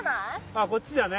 あっこっちだね。